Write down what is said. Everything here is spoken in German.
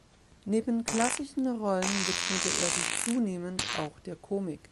Neben klassischen Rollen widmete er sich zunehmend auch der Komik.